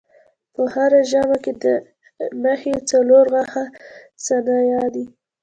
په هره ژامه کې د مخې څلور غاښه ثنایا دي.